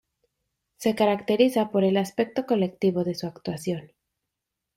Se caracteriza por el aspecto colectivo de su actuación.